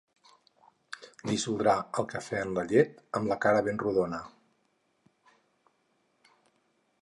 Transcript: Dissoldrà el cafè en la llet amb la cara ben rodona.